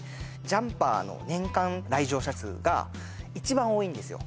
ジャンパーの年間来場者数が一番多いんですよ